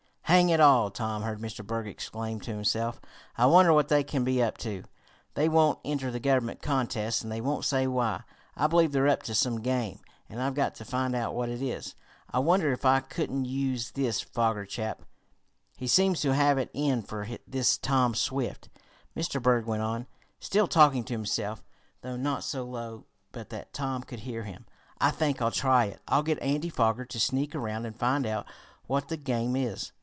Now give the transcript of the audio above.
"Hang it all!" Tom heard Mr. Berg exclaim to himself. "I wonder what they can be up to? They won't enter the Government contests, and they won't say why. I believe they're up to some game, and I've got to find out what it is. I wonder if I couldn't use this Foger chap?" "He seems to have it in for this Tom Swift," Mr. Berg went on, still talking to himself, though not so low but that Tom could hear him. "I think I'll try it. I'll get Andy Foger to sneak around and find out what the game is.